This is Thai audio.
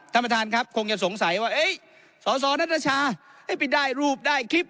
ท่านประธานครับคงจะสงสัยว่าสสนัทชาให้ไปได้รูปได้คลิป